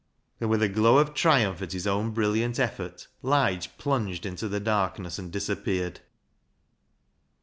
And with a glow of triumph at his own brilliant effort, Lige plunged into the darkness and disappeared.